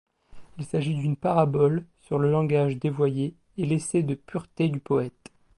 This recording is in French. Il s'agit d'une parabole sur le langage dévoyé et l'essai de pureté du poète.